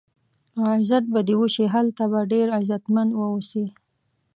او عزت به دې وشي، هلته به ډېر عزتمن و اوسې.